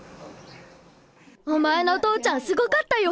お前の父ちゃんすごかったよ。